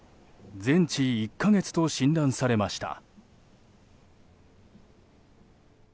全治１か月と診断されました。